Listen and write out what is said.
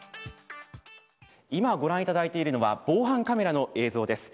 今ご覧いただいているのは防犯カメラの映像です。